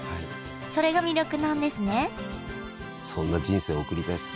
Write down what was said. それが魅力なんですね